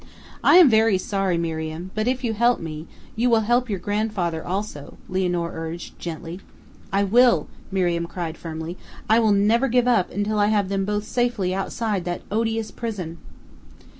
"I am very sorry, Miriam; but if you help me, you will help your grandfather also," Lianor urged gently. "I will!" Miriam cried firmly; "I will never give up until I have them both safely outside that odious prison!"